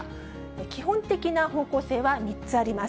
基本的な方向性は３つあります。